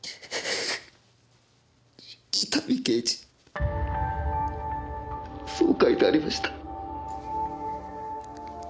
伊丹刑事そう書いてありました。